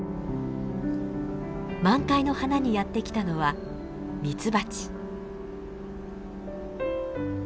満開の花にやって来たのはミツバチ。